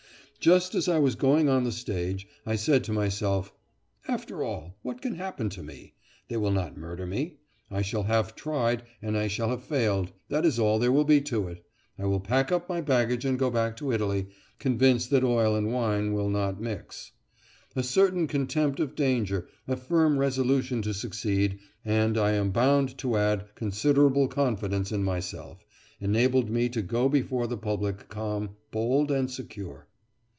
Just as I was going on the stage, I said to myself: "After all, what can happen to me? They will not murder me. I shall have tried, and I shall have failed; that is all there will be to it, I will pack up my baggage and go back to Italy, convinced that oil and wine will not mix. A certain contempt of danger, a firm resolution to succeed, and, I am bound to add, considerable confidence in myself, enabled me to go before the public calm, bold, and secure.